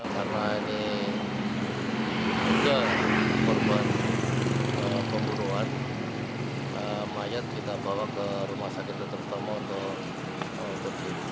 mayat kita bawa ke rumah sakit terutama untuk bersih